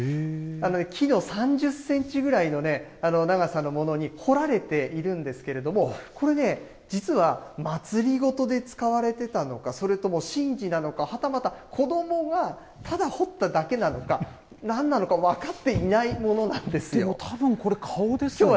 木の３０センチぐらいの長さのものに彫られているんですけれども、これね、実はまつりごとで使われてたのか、それとも神事なのか、はたまた子どもがただ彫っただけなのか、なんなのか分かっていないものなんですよ。